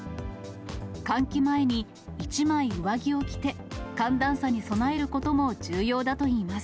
換気前に１枚上着を着て、寒暖差に備えることも重要だといいます。